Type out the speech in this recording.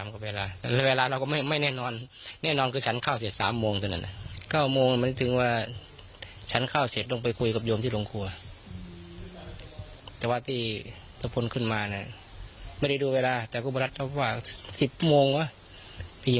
เก็บบริษัทรอยู่ที่สารานี่